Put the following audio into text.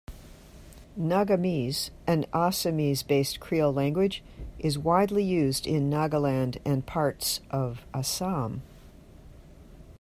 Nagamese, an Assamese-based Creole language is widely used in Nagaland and parts of Assam.